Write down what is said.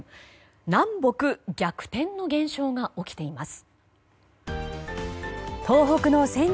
南北逆転の現象が起きています。